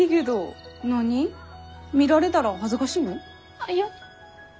あっいや。